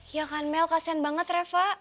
ya kan mel kasian banget reva